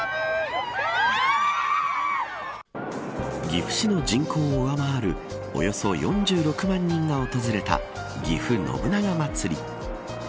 岐阜市の人口を上回るおよそ４６万人が訪れたぎふ信長まつり。